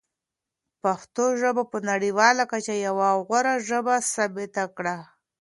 پښتو ژبه په نړیواله کچه یوه غوره ژبه ثابته کړئ.